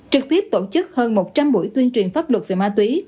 trực tiếp tổ chức hơn một trăm linh buổi tuyên truyền pháp luật về ma túy